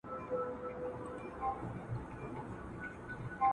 استازي چیري د بندیانو حقونه څاري؟